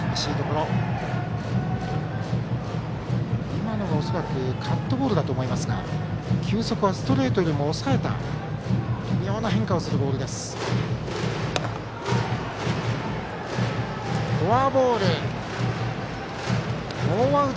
今のが恐らくカットボールだと思いますが球速はストレートよりも抑えた微妙な変化をするボール。